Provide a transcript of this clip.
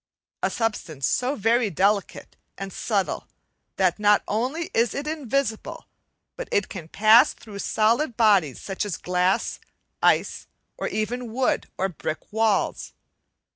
A substance so very delicate and subtle, that not only is it invisible, but it can pass through solid bodies such as glass, ice, or even wood or brick walls.